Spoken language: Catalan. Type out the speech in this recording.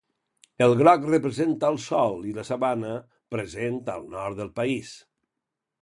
El groc representa el sol i la sabana, present al nord del país.